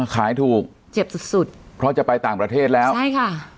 ขายถูกเจ็บสุดสุดเพราะจะไปต่างประเทศแล้วใช่ค่ะ